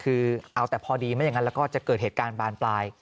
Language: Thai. คือเอาแต่พอดีไม่อย่างนั้นแล้วก็จะเกิดเหตุการณ์บานปลาย